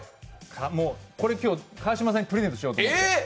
今日、川島さんにプレゼントしようと思って。